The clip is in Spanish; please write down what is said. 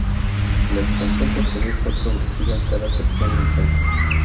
La expansión posterior fue progresiva en cada sección del centro.